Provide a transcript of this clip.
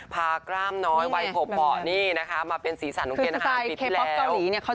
พากล้ามน้อยไว้โผ่ปเหาะนี่นะคะมาเป็นศีรษะนุ่งเกณฑ์หาวันปีที่แล้ว